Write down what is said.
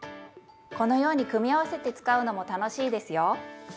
このように組み合わせて使うのも楽しいですよ。